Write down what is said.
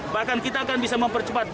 bahkan kita akan bisa mempercepat